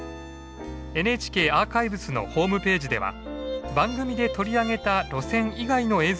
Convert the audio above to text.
ＮＨＫアーカイブスのホームページでは番組で取り上げた路線以外の映像もご覧頂けます。